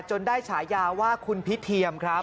ได้ฉายาว่าคุณพิเทียมครับ